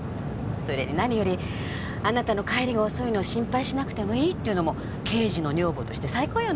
それに何よりあなたの帰りが遅いのを心配しなくてもいいっていうのも刑事の女房として最高よね。